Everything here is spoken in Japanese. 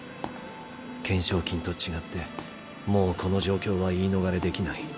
懸賞金と違ってもうこの状況は言い逃れできない。